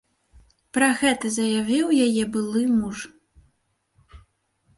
Пра гэта заявіў яе былы муж.